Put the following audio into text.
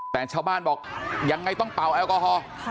แต่ชาวบ้านบอกยังไงต้องเป่าแอลกอฮอล์